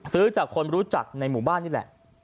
ซื้อจากคนรู้จักในหมู่บ้านนี่แหละ